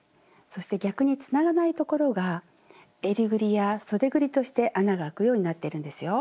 そして逆につながないところがえりぐりやそでぐりとして穴が開くようになってるんですよ。